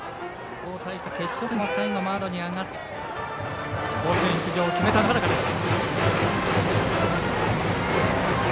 地方大会の決勝戦でも最後、マウンドに上がって甲子園出場を決めたのは坂中でした。